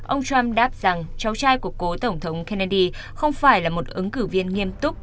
ông trump đáp rằng cháu trai của cố tổng thống kennedy không phải là một ứng cử viên nghiêm túc